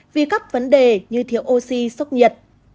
vì các vấn đề như thiếu oxy sốc nhiệt